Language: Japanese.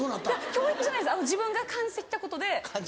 教育じゃないんです自分が感じて来たことで。